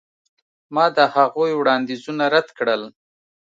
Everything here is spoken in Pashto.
ما د هغوی وړاندیزونه رد کړل.